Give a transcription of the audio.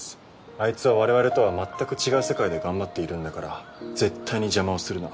アイツは我々とはまったく違う世界で頑張っているんだから絶対に邪魔をするな。